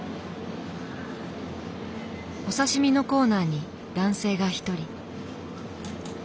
お刺身のコーナーに男性が一人。